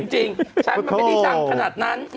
ฉันไม่สั่งขนาดนั้น